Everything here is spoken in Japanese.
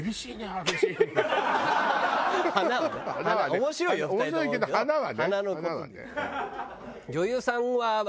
面白いけど華はね。